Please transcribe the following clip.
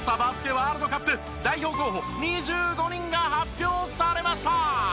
ワールドカップ代表候補２５人が発表されました。